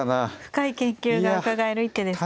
深い研究がうかがえる一手ですか。